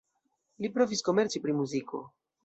Li provis komerci pri muziko.